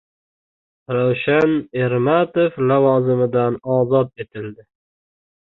Ravshan Ermatov lavozimidan ozod etildi